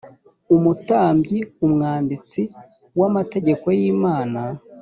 umutambyi umwanditsi w amategeko y imana